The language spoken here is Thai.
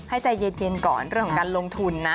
ให้ใจเย็นก่อนเรื่องของการลงทุนนะ